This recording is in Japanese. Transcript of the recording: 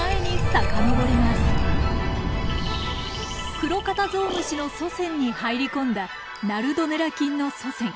クロカタゾウムシの祖先に入り込んだナルドネラ菌の祖先。